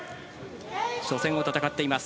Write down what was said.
初戦を戦っています。